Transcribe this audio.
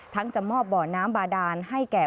จะมอบบ่อน้ำบาดานให้แก่